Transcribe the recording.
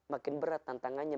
makin berat tantangannya